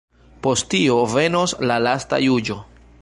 Post tio venos la lasta juĝo.